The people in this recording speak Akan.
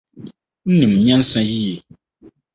Wunim nyansa yiye.